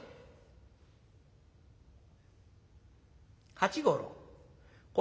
「八五郎こ